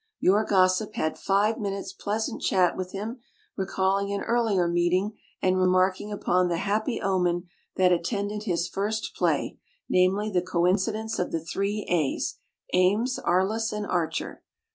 Your Gossip had five minutes' pleasant chat with him, recalling an earlier meeting and remarking upon the Jiappy omen that attended his first play, namely the coincidence of the three A*s: Ames, Arliss, and Archer.